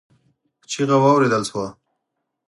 چيغه واورېدل شوه.